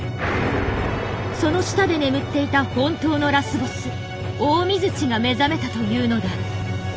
その下で眠っていた本当のラスボス大龍が目覚めたというのだ。